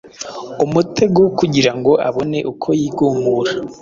umutego wo kugira ngo abone uko yigumura